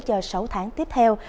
cho sáu tháng tiếp theo